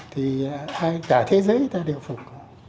thì cả thế giới ta đều phục